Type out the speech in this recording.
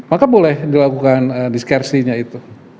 maka boleh dilakukan diskersinya itu